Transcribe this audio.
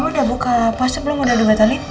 mama udah buka pasir belum udah di metalin